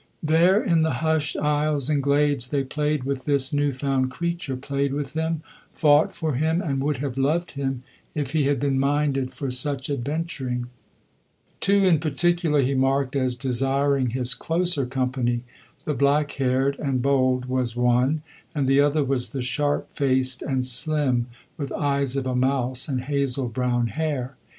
There in the hushed aisles and glades they played with this new found creature, played with him, fought for him, and would have loved him if he had been minded for such adventuring. Two in particular he marked as desiring his closer company the black haired and bold was one, and the other was the sharp faced and slim with eyes of a mouse and hazel brown hair.